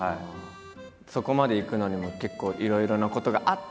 そこまでいくのにも結構いろいろなことがあって？